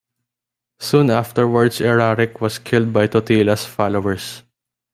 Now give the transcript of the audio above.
Soon afterwards Eraric was killed by Totila's followers.